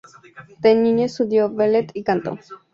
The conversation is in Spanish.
De niña estudió ballet y canto.